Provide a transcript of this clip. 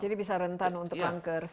jadi bisa rentan untuk kanker